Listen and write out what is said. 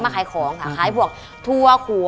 ขายของค่ะขายพวกถั่วขัว